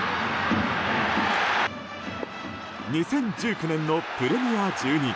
２０１９年のプレミア１２。